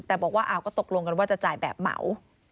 แต่บอกว่าก็ตกลงกันว่าจะจ่ายแบบเหมา